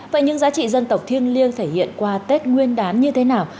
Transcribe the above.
vậy những giá trị dân tộc thiêng liêng thể hiện qua tết nguyên đán như thế nào